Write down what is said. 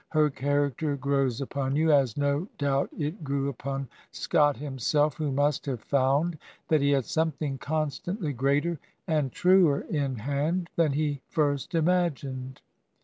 Her character grows upon you, as no doubt it grew upon Scott himself, who. must have found that he had something constantly greater and truer in hand than he first imagined.